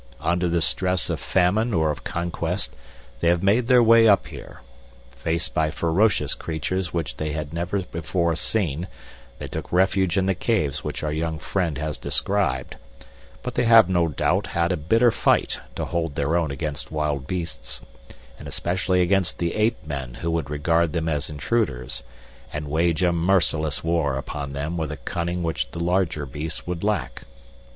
Under the stress of famine or of conquest they have made their way up here. Faced by ferocious creatures which they had never before seen, they took refuge in the caves which our young friend has described, but they have no doubt had a bitter fight to hold their own against wild beasts, and especially against the ape men who would regard them as intruders, and wage a merciless war upon them with a cunning which the larger beasts would lack.